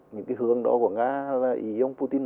những hướng đó của nga là ý ông putin